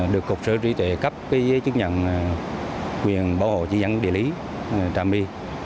được cục sở trí tuệ cấp với chức nhận quyền bảo hộ chỉ dẫn địa lý trả my